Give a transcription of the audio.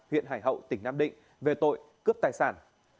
huyện hải hậu tỉnh nam định về tội cướp tài sản